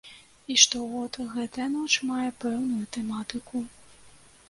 І штогод гэтая ноч мае пэўную тэматыку.